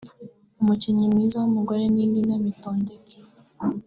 Umukinnyi mwiza w’umugore ni Lina Mitondeke